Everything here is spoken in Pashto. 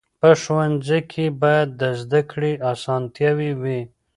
په ښوونځي کې باید د زده کړې اسانتیاوې وي.